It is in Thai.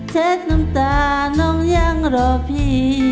เช็คน้ำตาน้องยังรอพี่